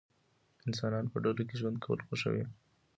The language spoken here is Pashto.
انسانان په ډلو کې ژوند کول خوښوي.